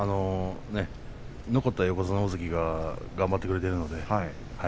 残った横綱大関が頑張ってくれているので。